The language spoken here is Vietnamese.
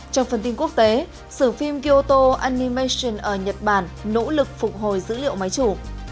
trong phần tin quốc tế sửa phim kyoto animation ở nhật bản nỗ lực phục hồi dữ liệu máy chủ